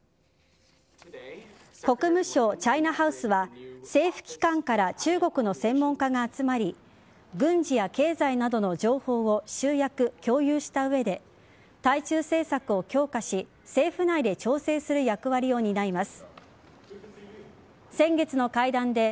国務省チャイナハウスは、政府機関から中国の専門家が集まり軍事や経済などの情報を集約、共有した上で対中政策を強化し政府内で調整する役割を担います。